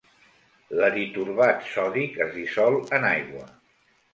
L'eritorbat sòdic es dissol en aigua.